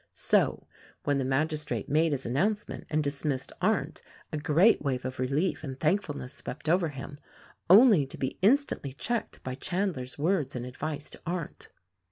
So, when the magistrate made his announcement and dismissed Arndt, a great wave of relief and thankfulness swept over him — only to be instantly checked by Chandler's words and advice to Arndt.